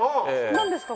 何ですか？